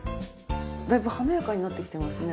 だいぶ華やかになってきてますね。